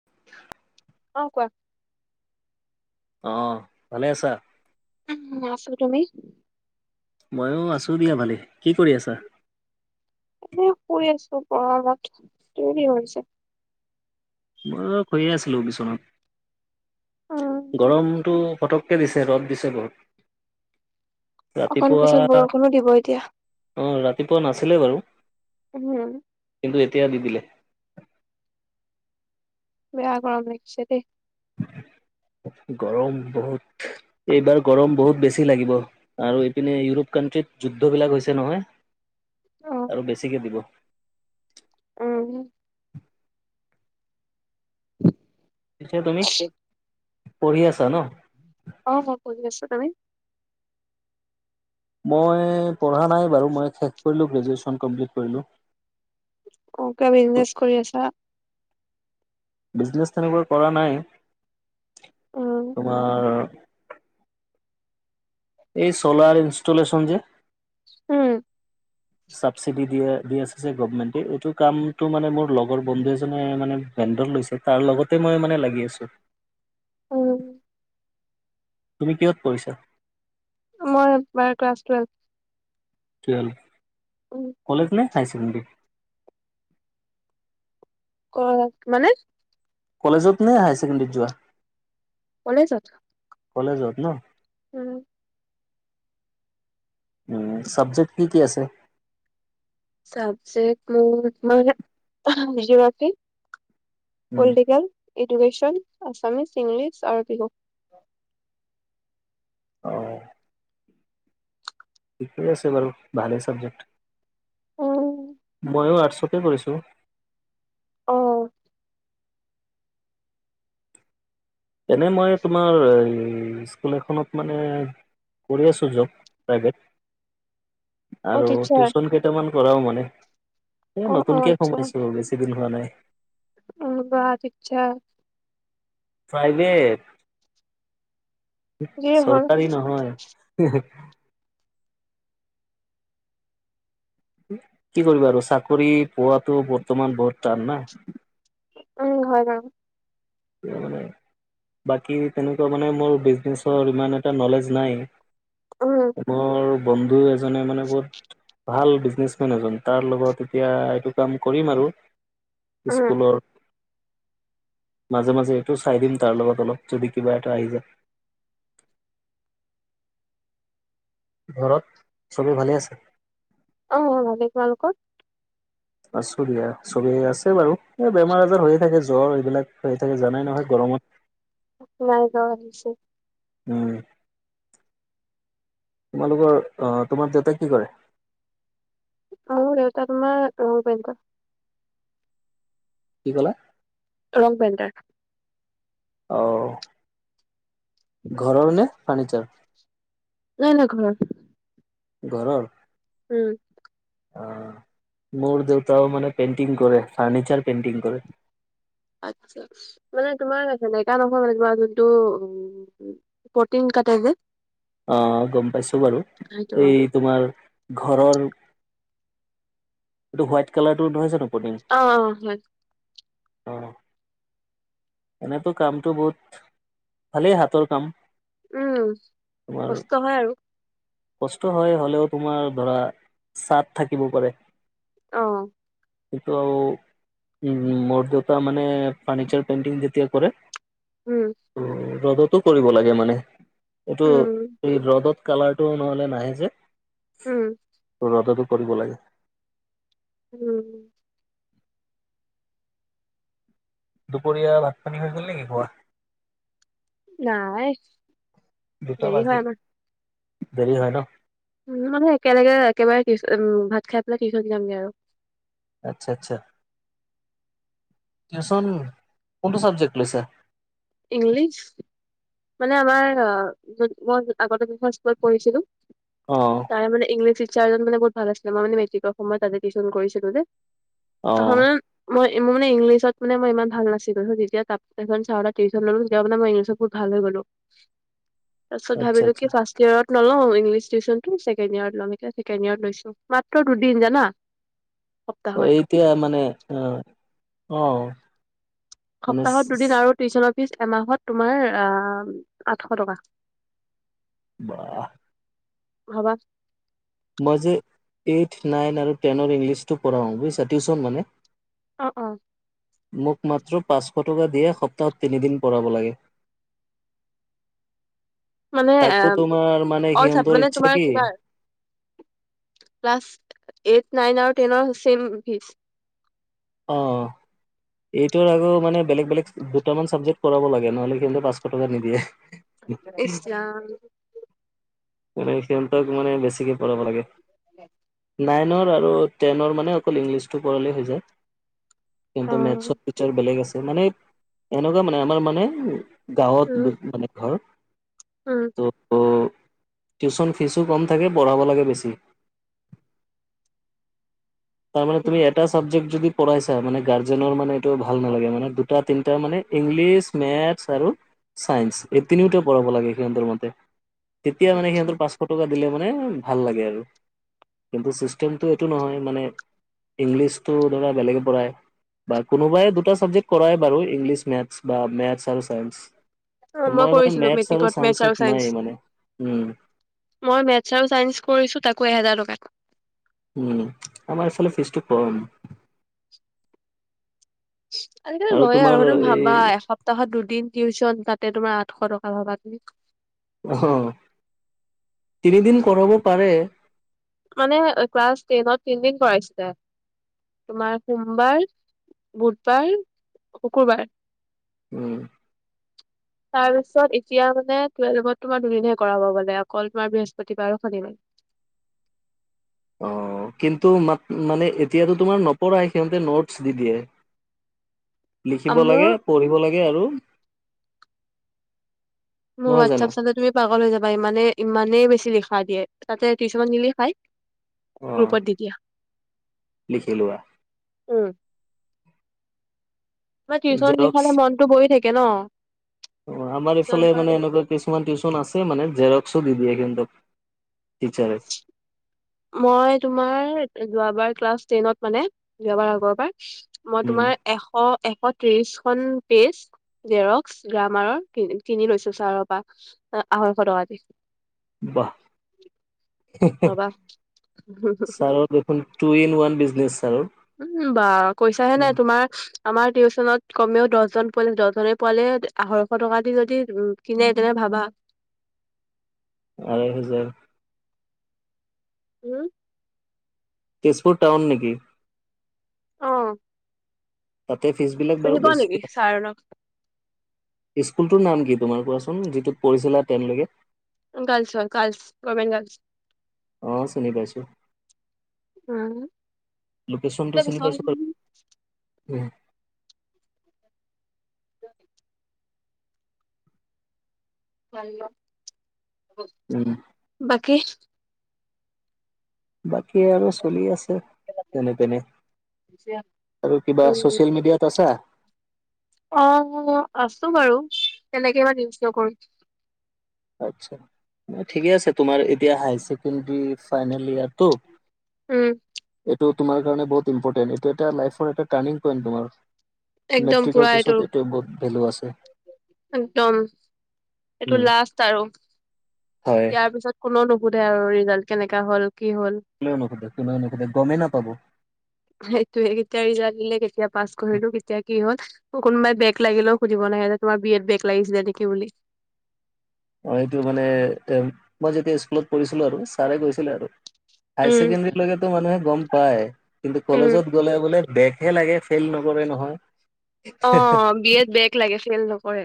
[inaudible] অঁ! কোৱা? [inaudible] অঁ! ভালে আছা? [inaudible] উম! আছোঁ। তুমি? [inaudible] ময়ো আছোঁ দিয়া ভালেই। কি কৰি আছা? [inaudible] এনেই শুই আছো পঢ়াত [inaudible] তুমি কি কৰিছা? মইয়ো শুইয়ে আছিলো বিচনাত। [inaudible] উম, গৰমটো পটককে দিছে, ৰ'দ দিছে বহুত। [inaudible] অকণ ৰাতিপুৱা পিছত [unintelligible] বৰষুণো দিব এতিয়া অঁ! ৰাতিপুৱা নাছিলে বাৰু। হুম কিন্তু এতিয়া দি দিলে। বেয়া গৰম লাগছে দেই। [inaudible] গৰম বহুত। এইবাৰ গৰম বহুত বেছি লাগিব। আৰু ইপিনে ইউৰোপ কানট্ৰিত যুদ্ধ বিলাক হৈছে অ নহয়- আৰু বেছিকে দিব। উম্ পিছে তুমি- পঢ়ি আছা ন? অঁ মই পঢ়ি আছো তুমি? মই পঢ়া নাই বাৰু মই শেষ কৰিলোঁ গ্ৰেজুৱেশ্যন কমপ্লিট কৰিলোঁ। [unintelligible] বিজনেছ কৰি আছা? বিজনেছ তেনে ম‌ই কৰা নাই। উম তোমাৰ- এই চ'লাৰ ইনষ্টলেচন যে উম চাবচিডি দিয়ে দি আছে গভমেন্টে এইটো কামটো মানে মোৰ লগৰ বন্ধু এজনে মানে ভেণ্ডৰ লৈছে। তাৰ লগতে মই মানে লাগি আছো। [inaudible] তুমি কিহত পঢ়িছা? মই এ-বাৰ class twelve. Twelve um college নে হাই চেকেণ্ডাৰী? ক‌ওক, মানে? কলেজত নে হাই ছেকেণ্ডেৰীত যোৱা? কলেজত। কলেজত ন? উম উ' চাবজেক্ট কি কি আছে? চাবজেক্ট মোৰ [unintelligible] geography um political, education, Assamese, English আৰু বিহু। অ' ঠিকে আছে বাৰু, ভালেই চাবজেক্ট। উম মইয়ো আৰ্টছটে পৰিছোঁ। অঁ এনেই মই তোমাৰ স্কুল এখনত মানে কৰি আছো জব, প্ৰাইভেট [inaudible] আৰু টিচাৰ টিউচন কেইটামান কৰাও মানে। এ অ অ নতুনকে আচ্ছা সোমাইছো বেছি দিন হোৱা নাই। অ বাঃ টিটচাৰ! প্ৰাইভেট। যিয়ে হ'ল চৰকাৰী নহয়। কি কৰিবা আৰু চাকৰি পোৱাটো বৰ্তমান বহুত টান না। উম' হয় বাৰু। না-মানে বাকী তেনেকুৱা মানে মোৰ বিজনেচৰ ইমান এটা নলেজ নাই। উম' মোৰ বন্ধু এজনে মানে বহুত ভাল বিজনেছমেন এজন তাৰ লগত এতিয়া এইটো কাম কৰিম আৰু উম স্কুলৰ মাজে মাজে এইটো চাই দিন তাৰল লগ ব তলপ যদি কিবা এটা আহি যায়। ঘৰত চবেই ভালে আছে। অ', ভালে কোৱা তোমালোকৰ। আছু দিয়া চব আছে বাৰু এই বেমাৰ আজাৰ হৈয়ে থাকে জ্বৰ এইবিলাক হৈ থাকে জানাই নহয় গৰমত নাই গাঁও আহিছে উম। তোমালোকৰ অ', তোমাৰ দেউতাই কি কৰে? অ', মোৰ দেউতা তোমাৰ বেংকত কি ক'লা? ৰং পেণ্টাৰ। অ', ঘৰৰ নে ফাৰ্ণিচাৰ। নাই, নাই ঘৰত। ঘৰৰ। উম। অ', মোৰ দেউতাও মানে পেইণ্টিং কৰে ফাৰ্ণিচাৰ পেইণ্টিং কৰে। আচ্ছা মানে তোমাৰছে নেকা নহয় মানে কিবা যোনটো প্ৰটিন কাটাই যে অ', গ'ম পাইছোঁ বাৰু সেইটো এই তোমাৰ ঘৰৰ এইটো হোৱাইট কালাৰটোহয় নপ অ', অ', হয়। অ এনেতো কামটো বহুত ভালেই হাতৰ কাম। উম তোমাৰ কষ্ট হয় আৰু। কষ্ট হয় হ'লেও তোমাৰ ধৰা চাত থাকিব পাৰে। অ'। সেটো আউ মোৰ দেউতা ত মানে ফাৰ্ণিচাৰ পেইণ্টিং যেতিয়া কৰে। উম। ৰ'দতো কৰিব লাগে মানে এইটো উম এই ৰ'দত কালাৰটো নহ'লে নাহে যে উম। ৰ'দতো কৰিব লাগে। উম। দুপৰীয়া ভাত পানী হৈ গ'ল নেকি। নাই দুটা দেৰি বাজিল হয় আমাৰ। দেৰি হয় ন। উম মানে একেলগে একেবাৰে কি উম ভাত খাই পেলাই টিউচন যামগে আৰু আচ্ছা, আচ্ছা টিউচন কোনটো চাবজেক্ট লৈছা। ইংলিছ। মানে আমাৰ মই আগতে দুখন স্কুলত পঢ়িছিলোঁ। অ'। তাৰ মে ইংলিছ টিচাৰজন মান বহুত ভাল আছে মানে মেট্ৰিক সময় তাতে টিউচন কৰিছিলো যে অ', [unintelligible] মই মোৰ মে ইংলিছত মানে মই ইমান ভাল নাছিলো যেয়া ত চ টিউচন ললোঁ তেতিয়া মান মই ইংলিছত ভাল হৈ গলোঁ তাৰপিছত আচ্ছা ভাবিলোঁ কি আচ্ছা। ফ্ৰাষ্ট ইয়াৰ ত ইংলিছ টিউচন ছেকেণ্ড ইয়াৰ ল এ ছেকেণ্ড ইয়াৰত লৈছোঁ মাত্ৰ দুদিন জানা। [inaudible] এতিয়া মানে অ, অ। মানে সপ্তাহত দুদিন আৰু টিউশচনৰ ফিজ এমাহত তোমাৰ আঠশ টকা। বাহ। ভাবা। মই যে, এইথ নাইন আৰু টেনৰ ইংলিছটো পঢ়াও বুজিছা টউচন মানে। অ অ। মোক মাত্র পাঁচশ টকা দিয়ে সপ্তাহত তিনিদিন পঢ়াব লাগে। মানে এ, তাকো তোমাৰ মানে অল চ সিহঁতৰ মানে ইচ্ছা তোমাৰ কি কিবা। ক্লাছ, এইট নাইন আৰু টেনৰ চছেইম ফিজ। অ। এইটোৰ আৰু মানে বেলেগ বেলেগ দুটামান চাবজেক্ট কৰাব লাগে নহ'লে সিহঁতে পাঁচশ টকা নিদিয়ে। ইছৰাম। মান সিহঁতক মানে বেছিকে পব লাগে। [unintelligible] নাইনৰ আৰু টেনৰ মানে অকল ইংলিছটো পঢ়ালেই হৈ যায়। মেটছৰ উম, তিচাৰ বেলেগ আছে, মানে এনেকুৱা মানে আমাৰ মানে। গাঁৱত মানে ঘৰ। উম। ত, টিউচন ফিজো কম থাকে পঢ়াব লাগে বেছি। তাৰ মানে তুমি এটা। চাবজেক্ট যদি পঢ়াই চাই মানে গাৰ্জেনৰ মানে এইটো ভাল নালাগে মানে দুটা তিনিটা মানে ইংলিছ মেথছ আৰু ছাইন্স এই তিনিওতে পঢ়াব লাগে সিহঁতৰ মতে। তেতিয়া মানে আচ্ছা। সিহঁৰ প পাঁচশ টকা দিলে মানে ভাল লাগে আৰু, কিন্তু ছিষ্টেমটো এইটো নহয় মানে। ইংলিছতটো ধৰা বেলেগে পঢ়ায়। বা কোনোবাই দুটা চাবজেক্ট কৰাই বাৰু ইংলিছ মেথ বা মেথছ আৰু চঞ্চ। অ', মই মানে কৰিছিলোঁ মেথছ আৰু মেট্ৰিকত মেথছ চাইন্সত চাইন্স। নাই মানে, উম। মই মেথছ আৰু চাইন্স কৰিছো তাকো এহেজাৰ টকাত। উম, আমাৰ এফালে ফিজটো কম। আজিকালি লয় তোমাৰ আৰু সেইতো এই ভাবা এশ তহত দুদিন টিউচন তাতে তোমাৰ আঠশ টকা ভাবা তুমি। অ' তিনিদিন কৰাব পাৰে। মানে ক্লাছ টেনত তিনদিন পঢ়াইছিলে। তোমাৰ সোমবাৰ, বুধবাৰ, শুকুৰবাৰ। উম। তাৰপিছত এতিয়া মানে তুলফ তোমাৰ দুদিনহে কৰাব গলে অকল তোমাৰ বৃহস্পতিবাৰ শনি বাৰে। অ', কিন্তু মাত মানে এতিয়াতো তোমাৰ নপঢ়াই সিহঁতে নোটছ দি দিয়ে। লিখিব লাগে মোৰ পঢ়িব লাগে আৰু। মোৰ নহয় জানো হোৱাটছপ চালে তুমি পাগললৈ যাবা ইমানে ইমানেই বেছি লিখা দে তাতে টিউশনত নিলি খাই। গ্ৰুপত দি দিয়া। লিখিলোৱা। উম। মানে টিউশচন জেৰক্স লিখালে মনতটো বহ থাকে ন'। অ', আমাৰ টিউচন ইফালে লিখালে মানে এনেকুৱা কিছুমান টিউচন আছে মানে, জেৰক্সো দি দিয়ে কিন্তু, টিচাৰে। [inaudible] মই তোমাৰ যোৱাবাৰ ক্লাছ টেনত মানে, যোৱাবাৰ আগৰবাৰ মই উম, তোমাৰ এশ, এশ ত্ৰিশ খন পেজ জেৰক্স গ্ৰামাৰৰ কিনি লৈছো চাৰৰ পৰা, আঢ়ৈঁশ টকা দি। বাহ, ৰবা চাৰৰ দেখোন, টু ইন ওৱান বিজনেছ আৰু। উম, বা পইচাহে নাই তোমাৰ। আমাৰ টিউশচনত কমেও দহজন পোৱালে দহজনে পোৱালে আঢ়ৈশ টকা দি যদি, উম কিনে তেনে ভাবা। আঢ়াই হাজাৰ। উম। তেজপুৰ টাউন নেকি? অ'। তাতে ফিজবিলাক চিনি বাৰু পোৱা নেকি বেছিয়ে। ছাৰক স্কুল টোৰ নাম কি তোমাৰ কোৱাচোন যিটোত পঢ়িছিলা টেনৰলৈ? ৰ্গালছৰ, ৰ্গালছ ৰ্গৰ্ভমেণ্ট ৰ্গালছ। অ', চিনি পাইছো, লোকেশচনটো চিনি পাইঁছো উম। [unintelligible] উম। বাকী? বাকী আৰু চলি আছে, যেনে তেনে। [unintelligible] আৰু কিবা উম ছচিয়েল মিডিয়াত আছা? অ', আছো বাৰু, তেনেকে ইমান ইউজ নকৰো। আচ্ছা, ঠিকে আছে তোমাৰ এতিয়া হাই ছেকেণ্ডৰী ফাইনেল ইয়াৰটো। উম এইটো তোমাৰ কাৰণে বহুত ইম্পৰ্টেণ্ট, এইটো এটা লাইফৰ এটা টাৰ্নিং পইন্ট তোমাৰ। একদম মেট্ৰিকৰ পুৰা এইটো পিছত এইটোৱে বহুত ভেলু আছে। একদম এইটো উম লাষ্ট াৰু, হয় ইয়াৰ পিছত কোনেও নুসুধে আৰু ৰিজাল্ট কেনেকা হ'ল, কি হ'ল। কোনেও নুসেধে, কোনেও নুসুধে গমেই নাপাব। সেইটোয়ে কেতিয়া ৰিজাল্ট দিলে, কেতিয়া পাছ কৰিলো কে কেতিয়া কি হ'ল, কোনোবাই বেক লাগিলেও সুধিব নাহে, যে তুমাৰ বিএ ত বেক লাগিছিলে নেকি বুলি। অ', এইটো মানে এ মই যেতিয়া স্কুলত পঢ়িছিলো আৰু। ছাৰে গৈছিলে আৰু, উম হায়ছেকেণ্ডৰীলৈতো মানুহে গম পায়, কিন্তু উম কলেজত গ'লে বোলে বেকহে লাগে, ফেইল নকৰে নহয়। অ', বিএত বেক লাগে, ফেইল নকৰে।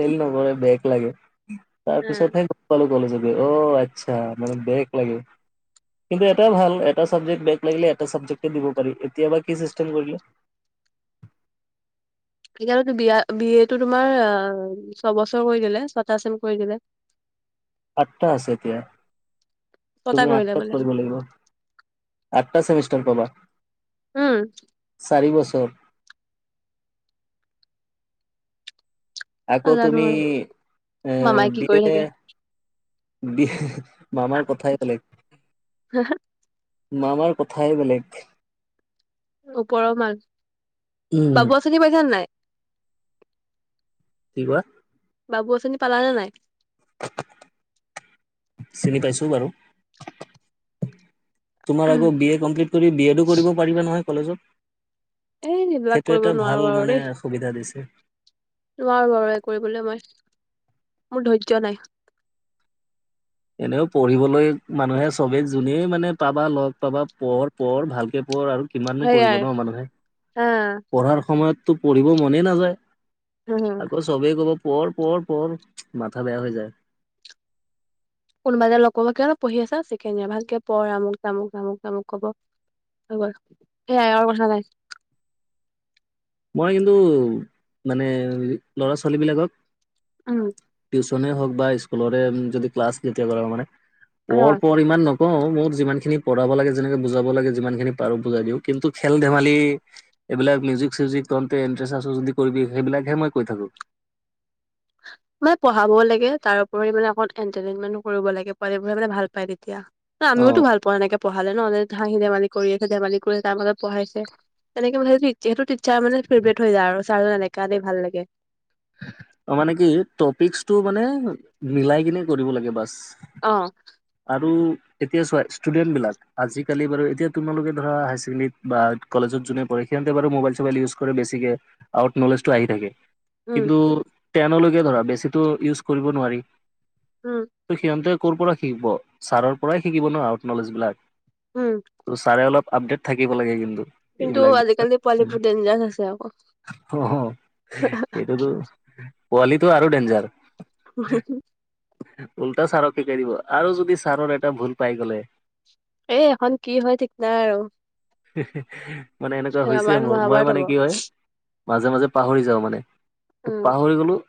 ফেইল নকৰে বেক লাগে, তাৰ উম, পিছতহে গম পালো কলেজত গৈ, অ', আচ্ছা মানে বেক লাগে। কিন্তু এটাই ভাল, এটা চাবজেক্ট বেক লাগিলে, এটা চাবজেক্ট এ দিব পাৰি, এতিয়া বা কি চিষ্টেম কৰিলে। এতিয়াতো বিয়া বিএ তো তোমাৰ ছবছৰ কৰি দিলে, ছটা চেম কৰি দিলে। আঠটা আছে এতিয়া, ছটা তুমি কৰিলে আঠটাত বোলে কৰিব লাগিব। আঠটা ছেমিষ্টাৰ পাবা। উম। চাৰি বছৰ। আকৌ নাজানো তুমি আৰু এ মামাই কি বি কৰি এ থাকে বি মামাৰ কথাই বেলেগ। মামাৰ কথাই বেলেগ বে ওপৰৰ মাল, উম বাবু আচনি পাইছা নে নাই? কি কোৱা? বাবু আঁচনি পালা নে নাই? চিনি পাইছো বাৰু, তোমাৰ আকৌ বি এ কমপ্লিট তুমি বি এডো কৰিব পাৰিবা নহয় এ কলেজত এইবিলাক সেইটো কৰিব এটা নোৱাৰো ভাল আৰু মানে দেই। সুবিধা দিছে। নোৱাৰো আৰু এই কৰিবলৈ মই, মোৰ ধৈৰ্য্য নাই। এনেও পঢ়িবলৈ মানুহে চবে যোনে মানে পাবা লগ পাবা, পঢ় পঢ় ভালকে পঢ় আৰু। কিমাননো পঢ়িব সেইয়াই ন মানুহে। হা। পঢ়াৰ সময়ততো পঢ়িব মনে নাযায় হম আকৌ চবেই ক'ব পঢ় পঢ় পঢ়, মাথা বেয়া হৈ যায়। কোনোবা এটা লগ পাব, কিমানত পঢ়ি আছা ছেকেণ্ড ইয়েৰ ভালকে পঢ়, আমুক তামুক তামুক তামুক কব। হয় গল, সেয়াই আৰু কথা নাই। মই কিন্তু মানে ল'ৰা - ছোৱালীবিলাকক উম। টিউচনে হওক বা স্কুলৰে যদি ক্লাছ যেতিয়া কৰাও মানে অ পঢ় পঢ় ইমান ন অ মোৰ যিমানখিনি পঢ়াব লাগে যেনেকে বুজাব লাগে যিমানখিনি পাৰো বুজাই দিওঁ কিন্তু খেল - ধেমালি এইবিলাক মিউজিক - চিউজিক তহতে ইন্টাৰেষ্ট আছ যদি কৰিবি সেইবিলাকে মই কৈ থাকো। মানে পঢ়াবও লাগে তাৰ উপৰি মানে অকমান এনটাৰটেইনমেন্টো কৰিব লাগে, পোৱালীবোৰে মানে ভাল পায় তেতিয়া। না অ আমিওটো ভাল পাওঁ এনেকে পঢ়ালে ন, হাঁহি - ধেমালি কৰি আছে, ধেমালি কৰিছে তাৰ মাজত পঢ়াইছে। তেনেকে পঢ়ালে যিহেতু টিচাৰ মানে ফেভৰেট হৈ যায় আৰু ছাৰ এনেকা দেই ভাল লাগে। অ মানে কি টপিকচটো মানে মিলাই কিনে কৰিব লাগে বাচ। অ। আৰু এতিয়া চোৱা ষ্টুডেন্টবিলাক, আজিকালি বাৰু এতিয়া তোমালোকে ধৰা হায়াৰ ছেকেণ্ডেৰীত বা কলেজত যোনে পঢ়ে, সিহঁতে বাৰু মোবাইল - চুবাইল ইউজ কৰে বেছিকে, আউট নলেজটো আহি থাকে। উম কিন্তু টেনলৈকে ধৰা, বেছিতো ইউজ কৰিব নোৱাৰি। উম। ত' সীহন্তে কৰ পৰা শিকিব? ছাৰৰ পৰাই শিকিব ন', আউট নলেজবিলাক। উম। ত' ছাৰে অলপ আপডেট থাকিব লাগে কিন্তু। কিন্তু এইবিলাক বিষয়ত। আজিকালি পোৱালিবোৰ ডেঞ্জাৰ আছে আকৌ অ' চা হা। সেইটোতো, পোৱালিটো আৰু ডেঞ্জাৰ। [inaudible] ' উল্টা ছাৰক শিকাই দিব আৰু যদি ছাৰৰ এটা ভুল পাই গ'লে এই এখন কি হয় ঠিক নাই আৰু। হিহি মানে এনেকুৱা হৈছে ৰামায়ণ মোৰ, মই মহাভাৰত মানে হ'ব কি হয় মাজে - মাজে পাহৰি যাওঁ মানে উম। পাহৰি গলো